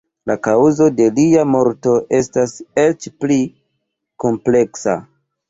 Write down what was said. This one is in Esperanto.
La kaŭzo de lia morto estas eĉ pli kompleksa.